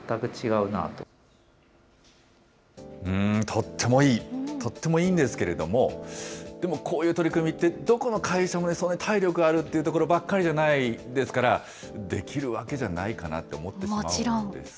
とってもいい、とってもいいんですけれども、でもこういう取り組みって、どこの会社も、体力があるというところばっかりじゃないですから、できるわけじゃないかなって思ってしまうんです。